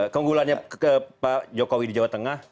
keunggulannya ke pak jokowi di jawa tengah